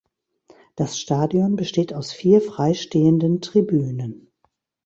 Das Stadion besteht aus vier freistehenden Tribünen.